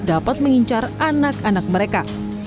dapat mengincar anak anak mereka